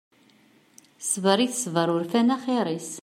Sber i tesber urfan axir-is.